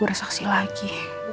aku harus berseksi lagi